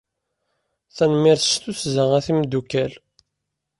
Tanemmirt s tussda a timeddukal!